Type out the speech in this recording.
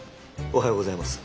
おはようございます。